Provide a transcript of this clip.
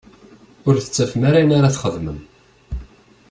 Ur tettafem ara ayen ara txedmem.